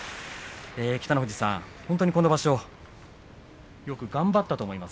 北の富士さん、この場所よく頑張ったと思います